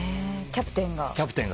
キャプテンが。